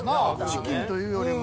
チキンというよりも。